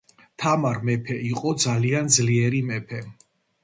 თამარ მეფე იყო ძალიან ძლიერი მეფე.